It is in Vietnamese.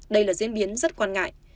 đây là diễn biến rất quan ngại